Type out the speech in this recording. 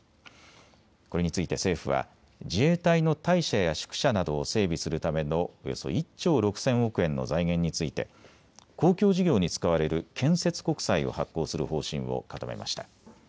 これについて政府は自衛隊の隊舎や宿舎などを整備するためのおよそ１兆６０００億円の財源について公共事業に使われる建設国債を発行する方針を固めました。